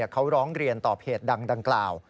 เขาร้องเรียนต่อเพจดังกล่าว